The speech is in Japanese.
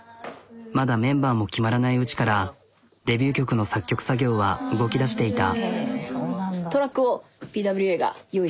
まだメンバーも決まらないうちからデビュー曲の作曲作業は動きだしていた。